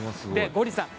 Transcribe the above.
ゴリさん